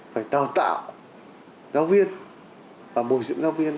phải đào tạo giáo viên và bồi dưỡng giáo viên